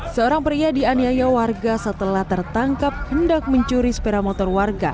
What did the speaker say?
seorang pria dianiaya warga setelah tertangkap hendak mencuri sepeda motor warga